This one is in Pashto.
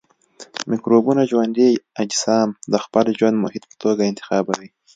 مکروبونه ژوندي اجسام د خپل ژوند محیط په توګه انتخابوي.